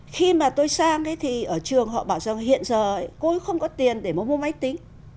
khi mà tôi sang thì ở trường họ bảo rằng hiện giờ cô ấy không có tiền để mà mua máy tính